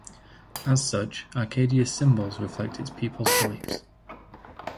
As such, Acadia's symbols reflect its people's beliefs.